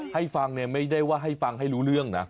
ให้ฟังเนี่ยไม่ได้ว่าให้ฟังให้รู้เรื่องนะ